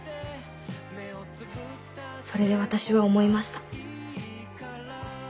それで私は思いました。